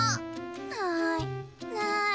ないない。